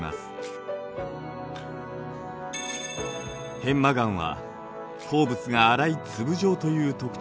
片麻岩は鉱物が粗い粒状という特徴があります。